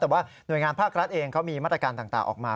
แต่ว่าหน่วยงานภาครัฐเองเขามีมาตรการต่างออกมา